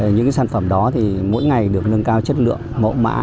những sản phẩm đó thì mỗi ngày được nâng cao chất lượng mẫu mã